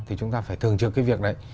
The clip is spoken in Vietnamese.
thì chúng ta phải thường trực cái việc đấy